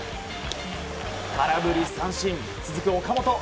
空振り三振、続く岡本。